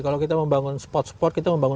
kalau kita membangun spot spot kita membangun